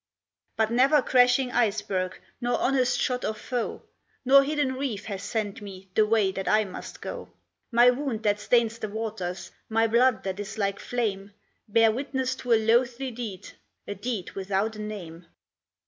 "But never crashing iceberg Nor honest shot of foe, Nor hidden reef has sent me The way that I must go. My wound that stains the waters, My blood that is like flame, Bear witness to a loathly deed, A deed without a name.